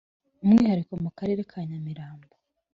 umwihariko mu karere ka nyamirambo